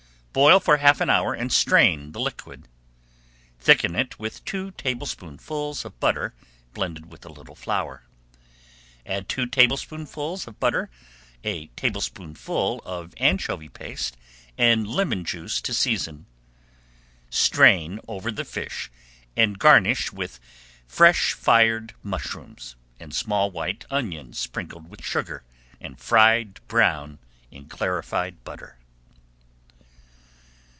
Boil for half an hour and strain the liquid. Thicken it with two tablespoonfuls of butter blended with a little flour. Add two tablespoonfuls [Page 67] of butter, a tablespoonful of anchovy paste, and lemon juice to season. Strain over the fish and garnish with fresh fried mushrooms and small white onions sprinkled with sugar and fried brown in clarified butter.